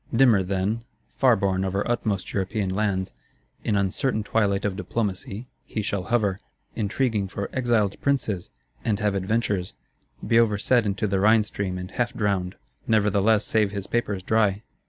Dimmer then, far borne over utmost European lands, in uncertain twilight of diplomacy, he shall hover, intriguing for "Exiled Princes," and have adventures; be overset into the Rhine stream and half drowned, nevertheless save his papers dry.